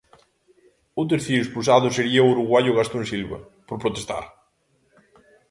O terceiro expulsado sería o uruguaio Gastón Silva, por protestar.